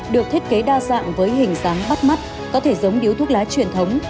được thiết kế đa dạng với hình dáng bắt mắt có thể giống điếu thuốc lá truyền thống